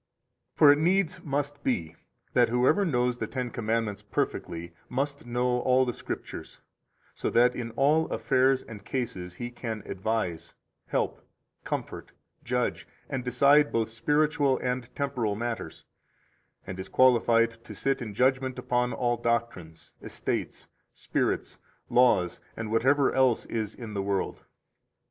17 For it needs must be that whoever knows the Ten Commandments perfectly must know all the Scriptures, so that, in all affairs and cases, he can advise, help, comfort, judge, and decide both spiritual and temporal matters, and is qualified to sit in judgment upon all doctrines, estates, spirits, laws, and whatever else is in the world.